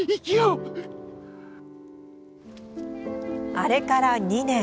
あれから２年。